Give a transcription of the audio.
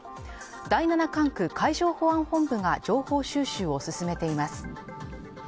第７管区海上保安本部が情報収集を進めています。